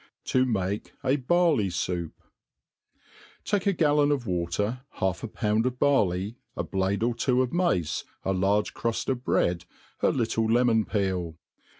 To make a. Barley^Soup. TAKE a gallon of water, half a pound of barley, a blade or two of mace, a large cruft of bread, a little lemon peel.